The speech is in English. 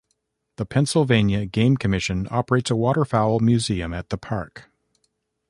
The Pennsylvania Game Commission operates a waterfowl museum at the park.